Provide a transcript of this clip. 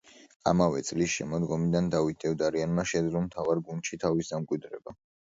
ამავე წლის შემოდგომიდან დავით დევდარიანმა შეძლო მთავარ გუნდში თავის დამკვიდრება.